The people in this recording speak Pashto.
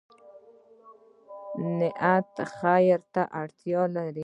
نیت خیر ته اړتیا لري